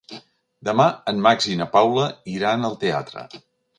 Demà en Max i na Paula iran al teatre.